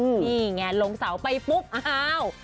นี่ไงลงเสาไปปุ๊บอ้าว